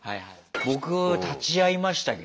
僕立ち会いましたけど。